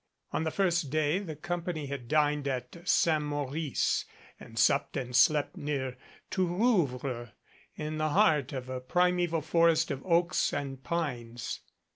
On the first day the company had dined at St. Maurice and supped and slept near Tourouvre, in the heart of a primeval forest of oaks and pines.